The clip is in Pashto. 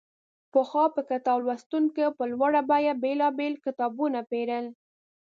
پخوا به کتاب لوستونکو په لوړه بیه بېلابېل کتابونه پېرل.